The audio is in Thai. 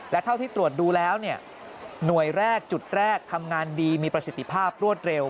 และเท่าที่ตรวจดูแล้วหน่วยแรกจุดแรกทำงานดีมีประสิทธิภาพรวดเร็ว